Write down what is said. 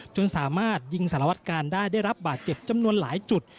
จนสามารถยิงสารวัตกาลได้ได้รับบาดเจ็บจำนวนหลายจุด